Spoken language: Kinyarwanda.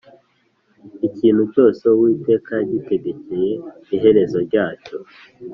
Ikintu cyose Uwiteka yagitegekeye iherezo ryacyo